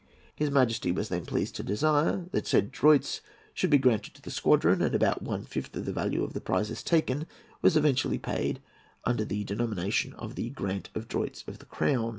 His Majesty was then pleased to desire that the said droits should be granted to the squadron, and about one fifth part of the value of the prizes taken was eventually paid under the denomination of a 'grant of the droits of the Crown.'